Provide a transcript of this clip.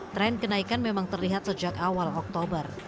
tren kenaikan memang terlihat sejak awal oktober